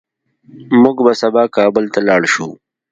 موږ به سبا کابل ته لاړ شو